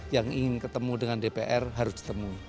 yang ingin ketemu dengan dpr harus ketemu